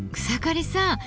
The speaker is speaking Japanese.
草刈さん